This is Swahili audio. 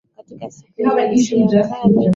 Katika siku yenye hisia kali